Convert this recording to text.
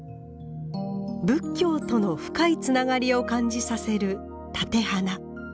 仏教との深いつながりを感じさせる立て花。